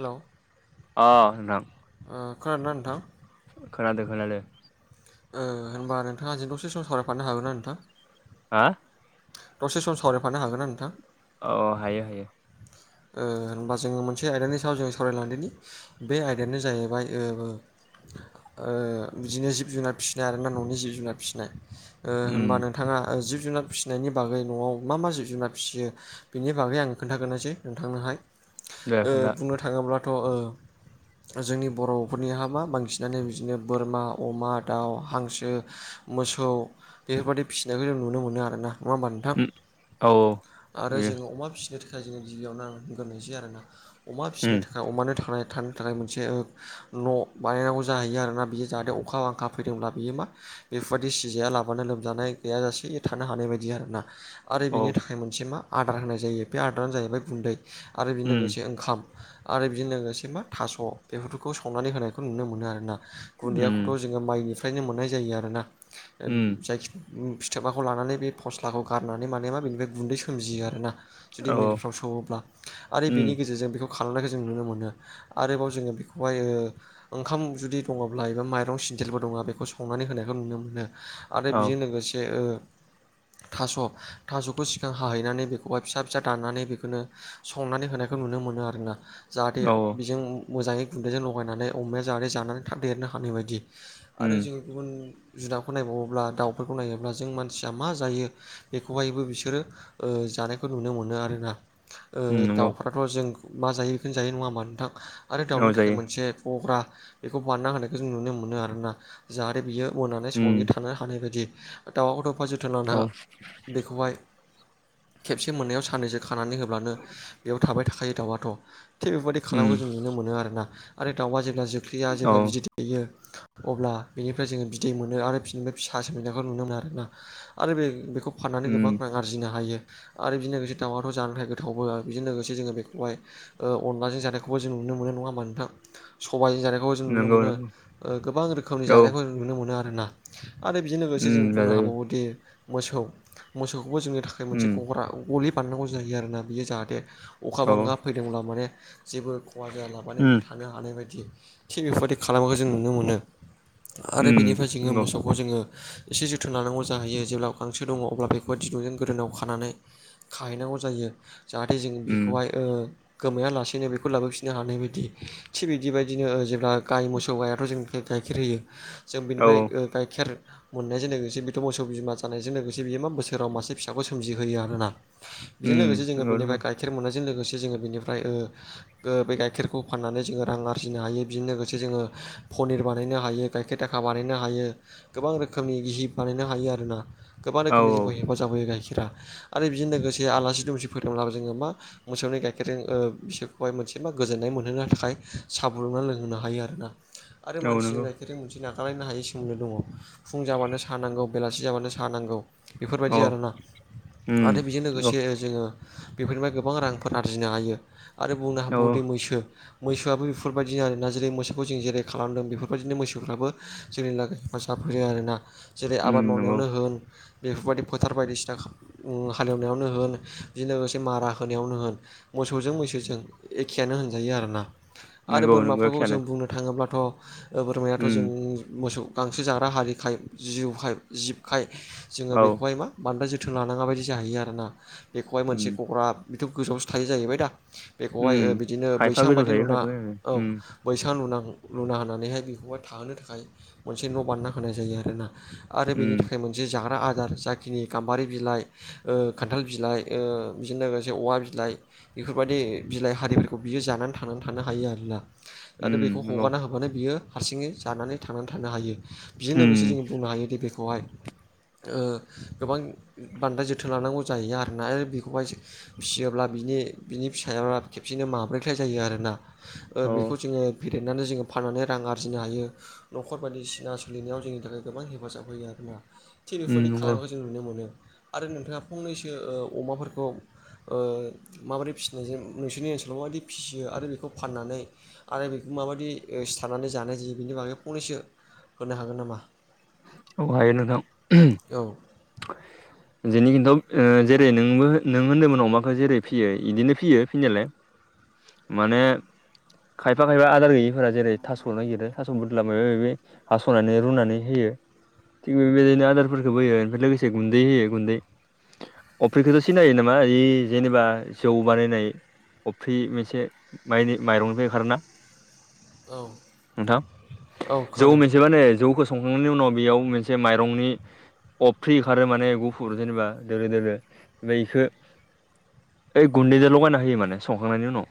हेल' अ नोंथां अ खोनादोंना नोंथां खोनादों खोनादों होनबा नोंथाङा आंजों द'से सम सावरायफानो हागोन ना नोंथां हा दसे सम सावरायफानो हागोन ना नोंथां अ हायो हायो होनबा जोङो मोनसे आयदानि सायाव जों सावरायलांदोनि बे आयदायानो जाहैबाय बिदिनो जिब जुनार फिसिनाय आरोना न'नि जिब जुनार फिसिनाय ओ होनबा उम नोंथाङा जिब जुनार फिसिनायनि बागै न'आव मा मा जिब जुनार फिसियो बेनि बागै आङो खोन्थागोननोसै नोंथांनोहाय दे खोन्था ओ बुंनो थाङोब्लाथ' ओ जोंनि बर'फोरनिहा मा बांसिनानो बिदिनो बोरमा अमा दाउ हांसो मोसौ बेफोरबायादि फिसिनायखौ जों नुनो मोनो आरो ना नङा होमबा नोंथां उम औ आरो बेयो जोङो अमा फिसिनो थाखाय जोङो गिबियाव इन होनग्रोनोसै आरोना अमा फिसिनो उम थाखाय अमानो थां थानो थाखाय मोनसे न' बानायनांगौ जाहैयो आरोना बियो जाहाथे अखा बांखा फैदोंब्ला बियो मा बेफोरबायदि सिजाया लाबानो लोमजानाय गैयााजासे थानो हानाय बायदि आर ना आरो औ बिनि थाखाय मोनसे मा आदार होनाय जायो बे आदारानो जाहैबाय गुन्दै आरो बेजों उम लोगोसे ओंखाम आरो बेजों लोगोसे मा थास' बेफोरखौ सावनानै होनायखौ नुनो मोनो आरोना गुन्दैयाखौथ' उम जोङो माइनिफ्रायनो मोननाय जायो आरोना उम जायखि फिथोबाखौ लानानै बे फस्लाखौ गारनानै माने मा बेनिफ्राय गुन्दै सोमजियो आरोना जुदि औ मिलफ्राव सङोब्ला आरो उम बेनि गेजेरजों बेखौ खालामनायखौ जों नुनो मोनो आरोबाव जोङो बेखौहाय ओ ओंखाम जुदि दङब्ला एबा माइरं सेन्देलबो दङब्ला बेखौ संनानै होनायखौ नुनो मोनो। आरो औ बेजों लोगोसे ओ थास' थास'खौ सि खाजों हाहैनानै बेखौहाय फिसा फिसा दानानै बेखौनो संनानै होनायखौ नुनो मोनो आरोना जाहाथे औ बिजों मोजाङै गुन्दैजों लगायनानै अमाया जाहाथे जानानै थाब देरनो हानाय बायदि। आरो उम जोङो गुबुन जुनादखौ नायबावोब्ला दाउफोरखौ नायोब्ला जों मानसिया मा जायो बेखौहायबो बिसोरो ओ जानायखौ नुनो मोनो आरोना उम ओ‌ दाउ नंगौ दाउआथ' जों मा जायो बेखौनो जायो नङा होमबा नोंथां आरो दाउनि औ थाखाय जायो मोनसे गग्रा बेखौ बानायना होनायखौ जों नुनो मोनो आरोना जाहाथे बियो [unintelligible] उम समाव बियो थानो हानाय बायदि दावा खौथ' एफा जोथोन औ लानाङा बेखौहाय खेबसे मोननायाव साननैसो खानानै होब्लानो बेयाव थाबाय थाखायो दाउआथ' थिग बेफोरबायदि उम खालामो जों। नो मोनो आरोना आरो दाउआ जेब्ला जोख्लिया औ जेब्ला बिदै दै यो अब्ला बिनिफ्राय जोङो बिदै मोनो आरो बिनिफ्राय फिसा सोमजिनायखौ नुनो मोनो आरोना आरो बे बेखौ फाननानै गोबां उम रां आरजिनो हायो। आरो बेजों लोगोसे दाउआथ' जानो थाखाय गोथावबो बेजों लोगोसे जोङो बेखौहाय ओ अनलाजों जानायखौबो जों नुनो मोनो नङा होमबा नोंथां सबाइजों जानाय खौ जों नुनो नंगौ मोनो नंगौ ओ गोबां रोखोमनि औ जानायखौ जों नुनो मोनो आरो ना आरो बेजों लोगोसे उम जों बुंनो जाजायो हाबावोदि मोसौ मोसौखौबो जोंनि थाखाय मोनसे उम गग्रा गलि बानाय नांगौ जायो आरोना बियो जाहाथे अखा औ बांगा फैदोंब्ला माने जेबो खहा जायालाबानो बिदि उम थानो हानाय बायदि थिग बेफोरबादि खालामनायखौ जों नुनो मोनो। आरो उम बेनिफ्राय जोङो नंगौ मोसौखौ जोङो एसे जोथोन लानांगौ जाहैयो जेब्ला गांसो दङ अब्ला बेखौहाय दिरुंजों गोदोनायाव खानानै खाहैनांगौ जायो। जाहाथे जों उम बेखौहाय ओ गोमायालासेनो बेखौ लाबोफिननो हानाय बायदि। थिग बिदि बायदिनो ओ जेब्ला गाइ मोसौ गायाथ' जोंनि गाइखेर होयो। जों औ बिनिफ्राय ओ गाइखेर मोननायजों लोगोसे बेथ' मोसौ बिमा जानायजों लोगोसे बियो मा बोसोराव मासे फिसाबो सो मजिहोयो आरोना। उम बेजों लोगोसे जोङो नंगौ नंगौ बेनिफ्राय गाइखेर मोननायजों लोगोसे जोङो बेनिफ्राय ओ ओ बे गाइखेरखौ फाननानै जोङो रां आरजिनो हायो बेजों लोगोसे जोङो पनिर बानायनो हायो गाइखेर दाखा बानायनो हायो गोबां रोखोमनि गिहि बानायनो हायो आरोना। गोबां औ रोखोमनि जोंखौ औ हेफाजाब होयो गाइखेरा। आरो बेजों लोगोसे आलासि दुमसि फैदोंब्लाबो जोङो मा मोसौनि गाइखेरजों ओ बिसोरखौहाय मोनसे मा गोजोननाय मोनहोनो थाखाय सा फुदुंना लोंहोनो हायो आरोना। आरो औ मानसि नंगौ होननाय गायखेरजों मोनसे नागारलायनो हायै सोमोनदो दङ। फुं जाबानो साहा नांगौ बेलासि जाबानो साहा नांगौ। औ बेफोरबायदि आरोना। आरो उम बेजों नंगौ लोगोसे जोङो बेफोरनिफ्राय गोबां रांफोर आरजिनो हायो। आरो बुंनो औ औ हाबावोदि मैसो मैसोआबो बेफोरबायदिनो आरोना जेरै मोसौखौ जों जेरै खालामदों बेफोरबायदिनो मैसोफ्राबो जोंनि लागै हेफाजाब होयो आरोना। जेरै उम आबाद नंगौ मावनायावनो होन बेफोरबायदि फोथार बायदिसिना ओ हालेवनायावनो होन बेजों लोगोसे मारा होनायावनो होन। मोसौजों मैसोजों एखेयानो होनजायो आरोना। आरो नंगौ नंगौ बोरमाफोरखौ एखेयानो जों बुंनो थाङोब्लाथ' ओ बोरमायाथ' उम जोंनि मोसौ गांसो जाग्रा हारिखाय जिउखाय जिबखाय जोङो औ बेखौहाय मा बांद्राय जो थोन लानाङा बायदि जाहैयो आरोना। बेखौहाय मोनसे उम गग्रा बेथ' गोजौआवसो थायो जाहैबाय दा। बेखौहाय ओ उम बिदिनो खायफा बैसां गोजौ बायदि थायो लुना खायफा गाहाय औ थायो उम बैसां लुनां लुना होनानैहाय बेखौहाय थाहोनो थाखाय मोनसे न' बानायना होनाय जायो आरोना। आरो बेनि उम थाखाय मोनसे जाग्रा आदार जाखिनि गाम्बारि बिलाइ ओ खान्थाल बिलाइ ओ बिजों लोगोसे औवा बिलाइ बेफोरबायदि बिलाइ हारिफोरखौ बियो जानानै थांनानै थानो हायो आरोना। आरो उम बेखौ नंगौ हगारना होबानो बियो हारसिङै जानानै थांनानै थानो हायो। बेजों लोगोसे उम जों बुंनो हायोदि बेखौहाय ओ गोबां बान्दाय जोथोन लानांगौ जाहैया आरोना आरो बेखौहाय एसे फिसियोब्ला बिनि बिनि फिसाया खेबसेनो माब्रैख्लाय जायो आरोना। ओ औ बेखौ उम जोङो फेदेरनानै जोङो फाननानै रां आरजिनो हायो। न'खर बायदिसिना सोलिनायाव जोंनि थाखाय गोबां हेफाजाब होयो आरोना। थिग बेफोरनि नंगौ खालामनायखौ जों नुनो मोनो आरो नोंथाङा फंनैसो ओ अमाफोरखौ ओ माबोरै फिसिनायजों नोंसोरनि ओनसोलाव माबायदि फिसियो आरो बेखौ फाननानै आरो बेखौ माबायदि ओ सिथारनानै जानाय जायो बेनि बागै फंनैसो होनो हागोन नामा? औ हायो नोंथां। औ। [inaudible] जोंनि खिन्थु ओ जेरै नोंबो नों होन्दोंमोन अमाखौ जेरै फियो बिदिनो फियो फिनायालाय। [inaudible] माने खायफा खायफा आदार गैयैफोरा जेरै थास' नागिरो थास' बुरला माबा माबि हास'नानै रुनानै होयो। थिग बेबायदिनो आदारफोरखोबो होयो। लोगोसे गुन्दै होयो गुन्दै। अफ्रिखौथ' सिनायो नामा ओइ जेनेबा जौ बानायनाय अफ्रि मोनसे माइनि माइरंनिफ्राय ओंखारोना औ नोंथां। औ जौ खोनादों मोनसेबा नै जौखौ संखांनायनि उनाव बेयाव मोनसे माइरंनि अफ्रि ओंखारो माने गुफुर जेनेबा दोलो दोलो बैखो ओइ गन्दैजों लगायना होयो माने संखांनायनि उनाव।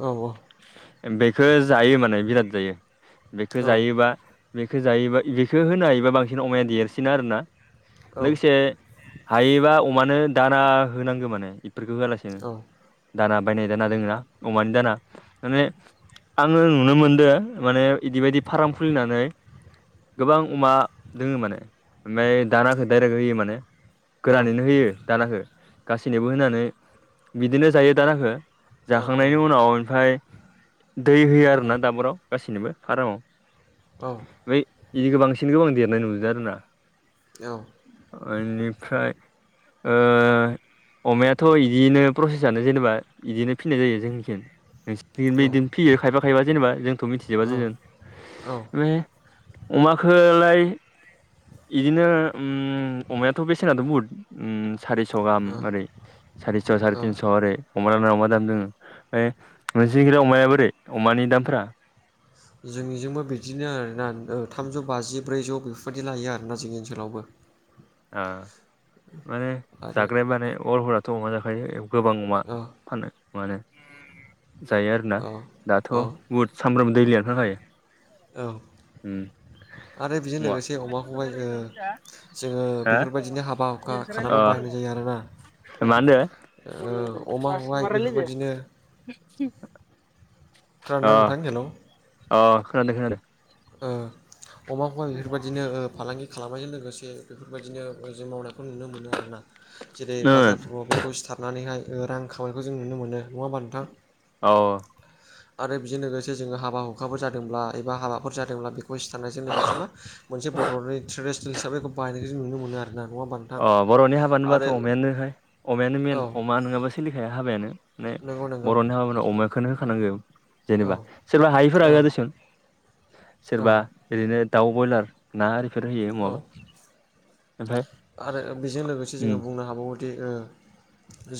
औ औ बेखौ जायो माने बिराद जायो बेखौ जायोबा बेखौ जायोबा बेखौ होनो हायोबा बांसिन अमाया देरसिनो आरो ना। लोगोसे हायोबा अमानो दाना होनांगौ माने इफोरखौ होआ लासि उम दाना बायनाय दाना दो ना अमानि दाना माने आङो नुनो मोनदों माने इदिबायदि फाराम खुलिनानै गोबां अमा दोङो माने ओमफ्राय दानाखौ डाइरेक्ट होयो माने गोरानैनो होयो दानाखौ गासैनोबो होनानै बिदिनो जायो दानाखो जाखांनायनि उनाव ओमफ्राय दै होयो आरोना दाबोराव गासैनिबो फारामाव। औ ओमफ्राय बिदिखौ बांसिन गोबां देरनाय नुदों आरोना औ ओनिफ्राय ओ अमायाथ' इदियैनो प्रसेसानो जेनेबा बिदिनो फिनाय जायो जोंनिखिन नोंसि थिंबो बेदिनो फियो खायफा खायफा जेनेबा जोंथ' मिथिजोबा जों माने अमाखोलाय इदिनो उम अमायाथ' बेसेना थ' बुहुथ उम सारिस' गाहाम ओरै सारिस' साराय तिनस' ओरै अमाना अमादाम दङो ओमफ्राय नोंसिनि थिं अमाया बोरै अमानि दाम फोरा? जोंनिजोंबो बिदिनो आरोना ओ थामजौ बाजि ब्रैजौ बेफोरबायदि लायो आरोना जोंनि ओनसोलावबो ओ माने आरो जाग्राया माने बर' हारिफोराथ' अमा जाखायो गोबां अमा औ फाननाय माने जायो आरोना औ दाथ' औ बुहुद सामब्राम दैलियाथ' जायो। औ उम आरो बेजों मा लोगोसे अमाखौहाय [unintelligible] ओ जोङो बेफोरबायदिनो हाबा हुखा खालामो बाहायनाय जायो आरोना। मा होनदो ओ अमाखौहाय बेफोरबायदिनो [unintelligible] अ खोनादोंना नोंथां हेलौ अ खोनादों खोनादों। ओ अमाखौबा बेफोरबायदिनो ओ फालांगि खालामनायजों लोगोसे बेफोरबायदिनो जों मावनायखौ नुनो मोनो आरोना जेरै बाजारफ्राव बेखौ स्टाप थुनानैहाय रां खामायखौ जों नुनो मोनो नङा होनबा नोंथां। औ आरो बेजों लोगोसे जोङो हाबा हुखाफोर जादोंब्ला एबा हाबाफोर जादोंब्ला बेखौ सिथारनायजों लोगोसे मा मोनसे बर'नि ट्रेडिसनेल हिसाबै बेखौ बाहायनायखौ जों नुनो मोनो आरोना नङा होमबा नोंथां अ बर'नि हाबा होनोबाथ' आरो अमायानोहाय अमायानो मेन औ अमा नङाबा सोलिखाया हाबायानो माने नंगौ नंगौ बर'नि हाबा नो अमाखौनो होखानांगौ औ जेनेबा सोरबा हायिफोरा औ होआ दिसुन औ सोरबा ओरैनो दाउ ब्रयलार ना आरिफोर होयो औ महाबा आरो बेजों लोगोसे जोङो उम बुंनो हाबावो दि ओ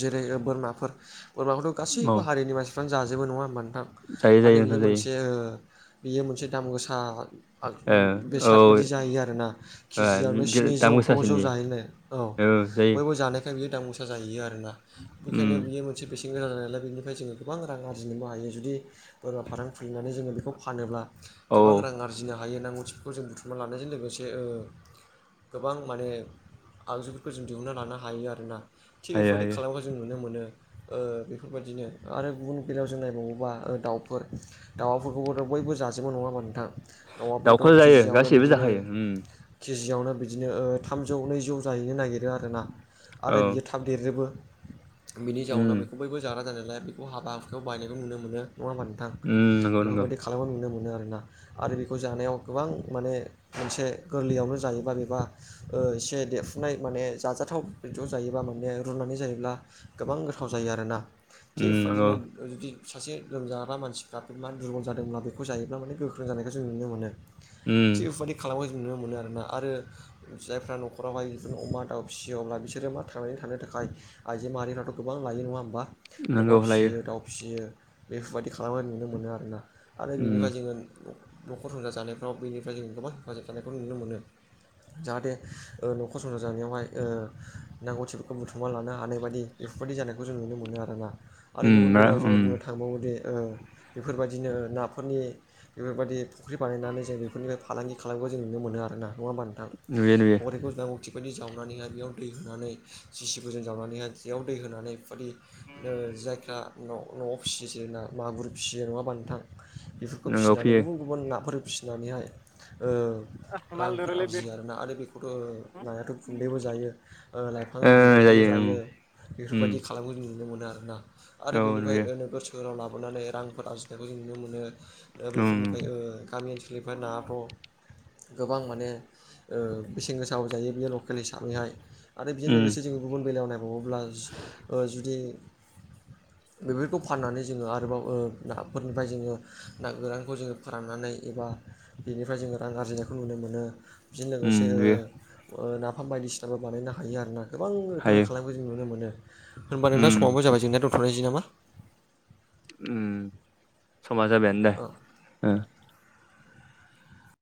जेरै बोरमाफोर बोरमाखौथ' गासैबो औ हारिनि मानसि बिफां जाजोबो नङा होमबा नोंथां जायो आरो जायो बियो नोंथां जायो मोनसे बियो मोनसे दाम गोसा ओ बेसाद बायदि औ जायो आरो ना ओ केजियावनो दाम जौ द' जौ गोसासिनि जाहैनो औ ब खौ जानायखाय बियो दा मोसा जाहायो आरोना उम बेनिखायनो बियो मोनसे बेसेन गोसा जानायालाय बेनिफ्राय जोङो गोबां रां आरजिनोबो हायो जुदि बोरमा फाराम खुलिनानै जोङो बेखौ फानोब्ला औ गोबां रां आरजिनो हायो नांगौथिफोरखौ जों बुथुमना लानायजों लोगोसे ओ गोबां माने आगजुफोरखौ जों दिहुनना लानो हायो आरोना थिग हायो बेफोरबायदि हायो खालामोबा जों नुनो मोनो ओ बेफोरबायदिनो आरो गुबुन बेलायाव जों नायबावोबा ओ दाउफोर दाउफोरखौबोथ' बयबो जाजोबो नङा होनबा नोंथां दाउआबोथ' दाउखौ जायो केजियावनो गासैबो बिदिनो जाखायो उम केजियावनो बिदिनो ओ थामजौ नैजौ जाहैनो नागिरो आरो ना औ आरो बियो था थाब देरजोबो बिनि जाउनाव उम बेखौ बयबो जाग्रा जानायलाय बे हाबा बायनायखौ नुनो मोनो नङा ओमबा नोंथां उम नंगौ नंगौ बेफोरबायदि खालामनाय नुनो मोनो आरोना। आरो बेखौ जानायाव गोबां माने मोनसे गोरलैयावनो जायोबा बेबा ओ एसे देरफुनाय माने जाजाथाव ज' जायोबा माने रुनानै जायोब्ला गोबां गोथाव जायो आरोना थिग उम नंगौ इफोरबायदिनो जुदि सासे लोमजाग्रा मानसिफ्रा बे मा दुरबल जादोंब्ला बेखौ जायोब्ला माने गोख्रों जानायखो जों नुनो मोनो। उम थि बेफोरबायदि खालामनायखौ जों नुनो मोनो आरोना आरो। जायफ्रा न'खरावहाय बिदिनो अमा दाउ फिसियो अब्ला बिसोरो मा थांनानै थानो थाखाय आइजो माहारिनियावथ' गोबां लायो नङा ओमबा? अमा नंगौ लायो फिसियो दाउ फिसियो बेफोरबायदि खालामनाय नुनो मोनो आरोना। आरो बेनिफ्राय उम जोङो न'खर संसार जानायफ्राव बेनिफ्राय जों गोबां हेफाजाब जानायखौ नुनो मोनो। जाहाथे ओ न'खर संसार जानायावहाय ओ नांगौथिफोरखौ बुथुमना लानो हानाय बायदि। इफोरबायदि जानायखौ जों नुनो मोनो आरोना आरो गुबुन उम रा बेलायाव जोङो उम बुंनो था थांबावो दे ओ बेफोरबायदिनो नाफोरनि बेफोरबायदि फुख्रि बानायनानै जों बेफोरनिफ्राय फालांगि खालाम नायबो जों नुनो मोनो आरोना नङा होनबा नोंथां? नुयो नुयो। फख्रिखौ नांगौथि बादि जावनानैहाय बेयाव दै होनानै जिसिबिजों जावनानैहाय बेयाव दै होनानै इफोरबादि ओ जायफ्रा न'-न'आव फिसियोसै ना मागुर फिसियो नङा होनबा नोंथां? बेफोरखौ नोंगौ फिसिनानै फैयो गुबुन गुबुन नाफोर फिसिनानैहाय ओ मालदो रायलायदो आरो बेखौथ' नायाथ' गुन्दैबो जायो। ओ लाइफां ओ बिलाइफोरबो उम जायो उम बेफोरबायदि खालामनायखौ जों नुनो मोनो आरोना। आरो औ बेनिफाय नुयो नोगोर सोहोराव लाबोनानै रांफोर आरजिनायखौ जों नुनो मोनो ओ उम बेफोरनिफ्राय ओ गामि ओनसोलाव [unintelligible] गोबां माने ओ बेसेन गोसा जायो बेयो लकेल हिसाबैहाय आरो बेजों उम लोगोसे जोङो गुबुन बेलायाव नाय ब्ला ओ जुदि बेफोरखौ फाननानै जोङो आरोबाव ओ नाफोरनिफ्राय जोङो ना गोरानखौ जोङो फोराननानै एबा बेनिफ्राय जोङो रां आरजिनायखौ नुनो मोनो। बिजों उम लोगोसे ओ नुयो ओ नाफाम बायदिसिनाबो बानायनो हायो आरोना गोबां रोखोमनि हायो खालाम नायखौ जों नुनो मोनो होनबा उम नोंथां समावबो जाबाय जेंना दोनथ'निसै नामा? उम समा जाबायानो दे औ औ ओ।